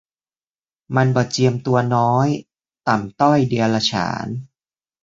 มันบ่เจียมตัวน้อย ต่ำต้อยเดียรฉาน